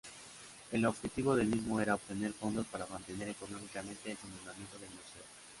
El objetivo del mismo era obtener fondos para mantener económicamente el funcionamiento del museo.